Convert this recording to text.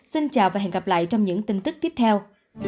xin chào và hẹn gặp lại trong những tin tức tiếp theo